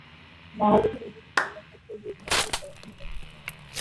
বাংলাদেশে ইংরেজি সংবাদ পত্র, ইংরেজি মাধ্যমে পড়াশোনার ব্যবস্থা আছে।